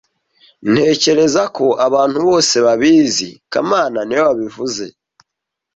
Ntekereza ko abantu bose babizi kamana niwe wabivuze